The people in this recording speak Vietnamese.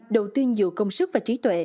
đầu tiên dựa công sức và trí tuệ